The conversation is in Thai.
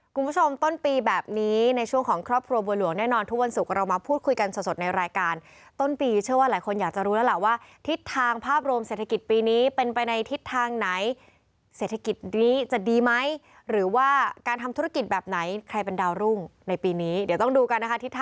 คุณผู้ชมต้นปีแบบนี้ในช่วงของครอบครัวบัวหลวงแน่นอนทุกวันศุกร์เรามาพูดคุยกันสดในรายการต้นปีเชื่อว่าหลายคนอยากจะรู้แล้วล่ะว่าทิศทางภาพรวมเศรษฐกิจปีนี้เป็นไปในทิศทางไหนเศรษฐกิจดีจะดีไหมหรือว่าการทำธุรกิจแบบไหนใครเป็นดาวรุ่งในปีนี้เดี๋ยวต้องดูกันนะคะ